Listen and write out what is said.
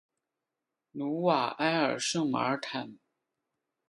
努瓦埃尔圣马尔坦。